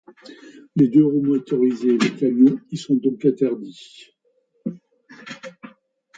Les deux-roues motorisés et les camions y sont donc interdits.